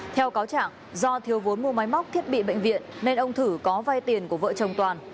theo cáo trạng do thiếu vốn mua máy móc thiết bị bệnh viện nên ông thử có vai tiền của vợ chồng toàn